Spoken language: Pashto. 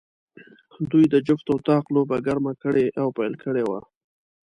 دوی د جفت او طاق لوبه ګرمه کړې او پیل کړې وه.